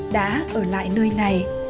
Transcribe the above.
đã ở lại nơi này